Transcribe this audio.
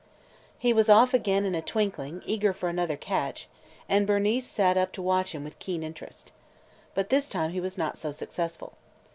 He was off again in a twinkling, eager for another catch, and Bernice sat up to watch him with keen interest. But this time he was not so successful.